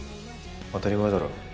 当たり前だろ。